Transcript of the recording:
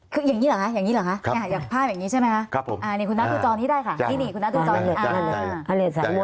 คืออย่างนี้หรือครับอย่างนี้หรือครับ